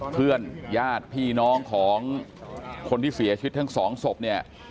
เพื่อนญาติพี่น้องของคนที่เสียชีวิตทั้งสองศพเนี่ย